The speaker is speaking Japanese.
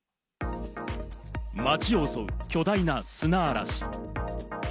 街を襲う巨大な砂嵐。